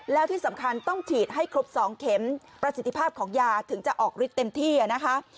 แล้วที่สำคัญต้องฉีดให้ครบ๒เข็มประสิทธิภาพของยาถึงจะออกฤทธิเต็มที่นะคะ